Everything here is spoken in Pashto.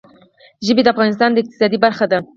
ژبې د افغانستان د اقتصاد برخه ده.